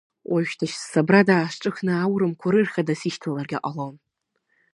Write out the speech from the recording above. Уажәшьҭа ссабрада аасҿыхны аурымқәа рыр-хада сишьҭаларгьы ҟалон.